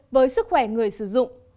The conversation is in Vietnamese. với sức khỏe người sử dụng